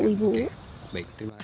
kurang tahu ibu